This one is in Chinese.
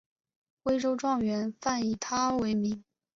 徽州状元饭以他为名。